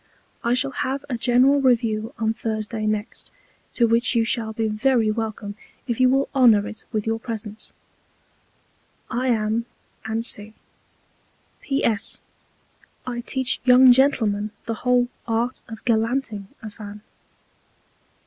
I shall have a general Review on Thursday next; to which you shall be very welcome if you will honour it with your Presence. I am, &c. P.S. I teach young Gentlemen the whole Art of Gallanting a Fan.